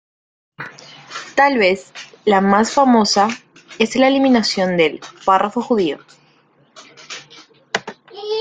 Tal vez la más famosa es la eliminación del "párrafo Judío".